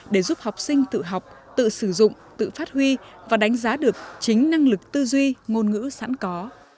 để giúp học sinh tự học tự sử dụng tự phát huy và đánh giá được chính năng lực tư duy ngôn ngữ sẵn có